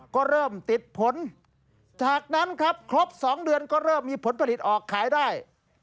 ก็เริ่มติดผลจากนั้นครับครบ๒เดือนก็เริ่มมีผลผลิตออกขายได้